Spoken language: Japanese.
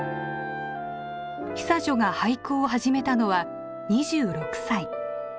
久女が俳句を始めたのは２６歳。